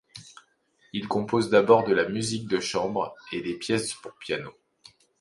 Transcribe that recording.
Il compose d'abord de la musique de chambre et des pièces pour piano.